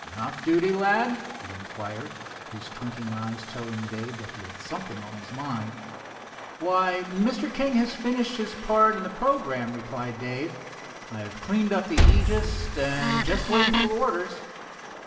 "Off duty, lad?" he inquired, his twinkling eyes telling Dave that he had something on his mind. "Why, Mr. King has finished his part in the programme," replied Dave. "I've cleaned up the Aegis, and just waiting for orders."